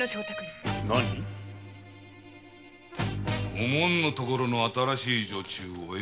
お紋のところの新しい女中がお栄。